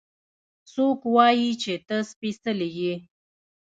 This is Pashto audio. څوک وايي چې ته سپېڅلې يې؟